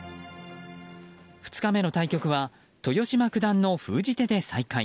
２日目の対局は豊島九段の封じ手で再開。